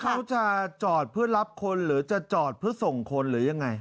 เขาจะจอดเพื่อรับคนหรือจะจอดเพื่อส่งคนหรือยังไง